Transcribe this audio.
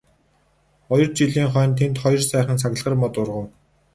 Хоёр жилийн хойно тэнд хоёр сайхан саглагар мод ургав.